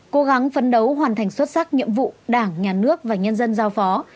cố gắng phấn đấu hoàn thành xuất sắc nhiệm vụ đảng nhà nước và nhân dân giao phó